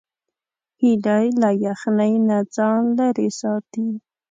هیلۍ له یخنۍ نه ځان لیرې ساتي